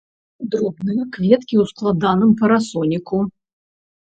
Дробныя кветкі ў складаным парасоніку.